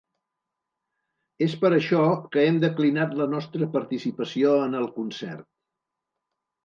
És per això que hem declinat la nostra participació en el concert.